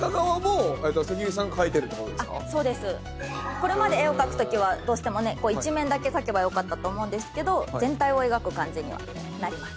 これまで絵を描く時はどうしてもね１面だけ描けばよかったと思うんですけど全体を描く感じにはなります。